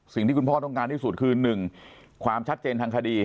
สิ่งที่คุณพ่อต้องการที่สุดคือ๑ความชัดเจนทางคดี